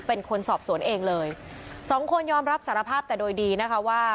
เป็นคนสอบสวนเองเลยสองคนยอมรับสารภาพแต่โดยดีนะคะว่า